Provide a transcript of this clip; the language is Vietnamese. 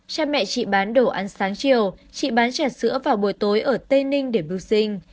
cha mẹ chị bán đồ ăn sáng chiều chị bán trà sữa vào buổi tối ở tây ninh để mưu sinh